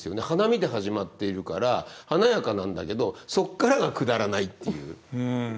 花見で始まっているから華やかなんだけどそっからがくだらないっていう。